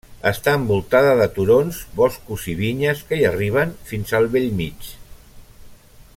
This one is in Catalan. Està envoltada de turons, boscos i vinyes que hi arriben fins al bell mig.